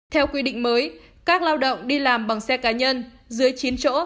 theo quy định mới các lao động đi làm bằng xe cá nhân dưới chín chỗ